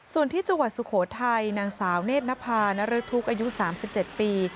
ส่วนที่จังหวัดสุโขทัยนางสาวเนธนภานรศุกร์อายุสามสิบเจ็ดปี